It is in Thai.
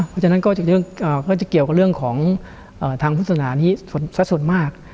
เพราะฉะนั้นก็จะเกี่ยวกับเรื่องของทางพุทธศนานี้สักส่วนมาก